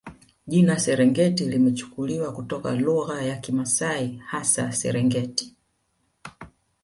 Jina Serengeti limechukuliwa kutoka lugha ya Kimasai hasa Serengeti